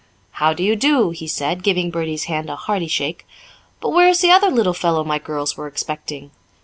"How do you do?" he said, giving Bertie's hand a hearty shake. "But where is the other little fellow my girls were expecting?"